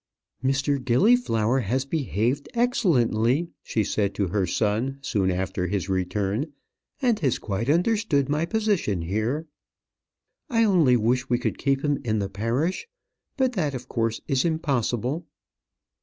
"Mr. Gilliflower has behaved excellently," she said to her son, soon after his return; "and has quite understood my position here. I only wish we could keep him in the parish; but that, of course, is impossible."